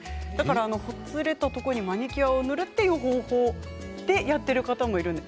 ほつれたところにマニキュアを塗るという方法でやっている方もいると。